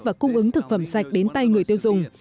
và cung ứng thực phẩm sạch đến tay người tiêu dùng